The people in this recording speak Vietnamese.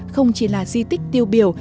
không chỉ là di tích tiêu biểu